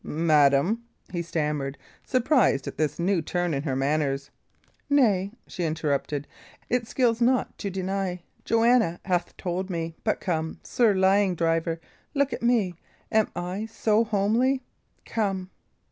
"Madam" he stammered, surprised at this new turn in her manners. "Nay," she interrupted, "it skills not to deny; Joanna hath told me, but come, Sir Lion driver, look at me am I so homely come!"